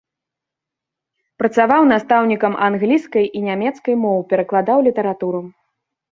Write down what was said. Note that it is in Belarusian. Працаваў настаўнікам англійскай і нямецкай моў, перакладаў літаратуру.